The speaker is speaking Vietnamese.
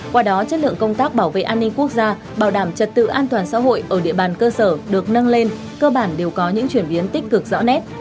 qua đó chất lượng công tác bảo vệ an ninh quốc gia bảo đảm trật tự an toàn xã hội ở địa bàn cơ sở được nâng lên cơ bản đều có những chuyển biến tích cực rõ nét